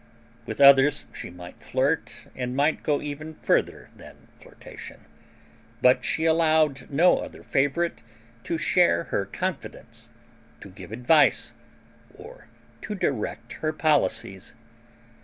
With others she might flirt and might go even further than flirtation; but she allowed no other favorite to share her confidence, to give advice, or to direct her policies.